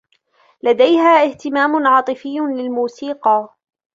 لديها إهتمام عاطفي للموسيقى.